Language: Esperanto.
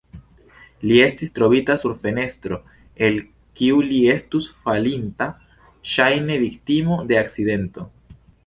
Li estis trovita sub fenestro el kiu li estus falinta, ŝajne viktimo de akcidento.